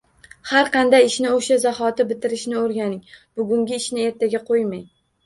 Har qanday ishni o‘sha zahoti bitirishni o‘rganing, bugungi ishni ertaga qo‘ymang.